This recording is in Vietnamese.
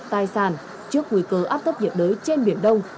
tàn trước nguy cơ áp thấp nhiệt đới trên biển đông